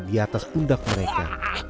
di atas pundak mereka